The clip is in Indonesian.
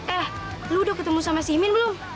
eh lo sudah ketemu sama si imin belum